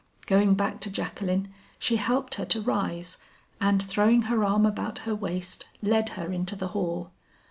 Going back to Jacqueline, she helped her to rise, and throwing her arm about her waist, led her into the hall.